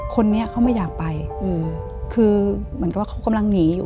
คนนี้เขาไม่อยากไปอืมคือเหมือนกับว่าเขากำลังหนีอยู่